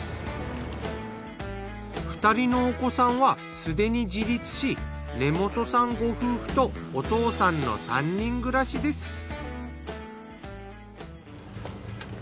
２人のお子さんはすでに自立し根本さんご夫婦とお父さんの３人暮らしです。